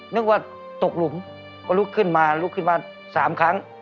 นึกว่าตกหลุมก็ลุกขึ้นมาลุกขึ้นมา๓ครั้ง